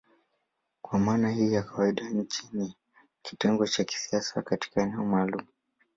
Kwa maana hii ya kawaida nchi ni kitengo cha kisiasa katika eneo maalumu.